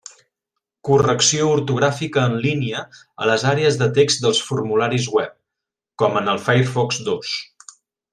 Correcció ortogràfica en línia a les àrees de text dels formularis web, com amb el Firefox dos.